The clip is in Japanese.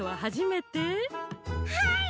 はい！